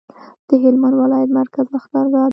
د هلمند ولایت مرکز لښکرګاه ده